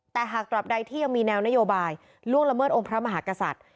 แต่หากตับใดที่ยังมีแนวนโยบายล่วงละเมิดองค์พระมหากษัตริย์